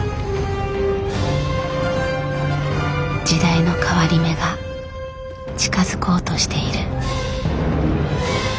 時代の変わり目が近づこうとしている。